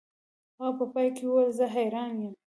هغه په پای کې وویل زه حیران یم